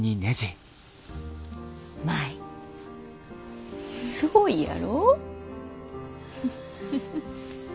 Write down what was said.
舞すごいやろ？